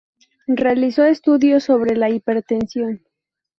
Realizó estudios sobre la hipertensión.